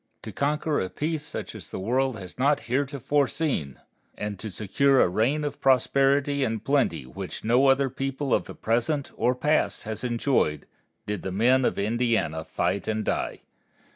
To conquer a peace such as the world has not heretofore seen, and to secure a reign of prosperity and plenty which no other people of the present or the past has enjoyed, did the men of Indiana fight and die.